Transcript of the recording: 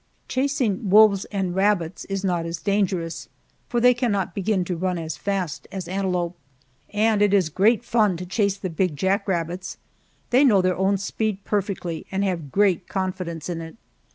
Chasing wolves and rabbits is not as dangerous, for they cannot begin to run as fast as antelope. And it is great fun to chase the big jack rabbits. They know their own speed perfectly and have great confidence in it.